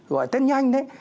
gọi test nhanh đấy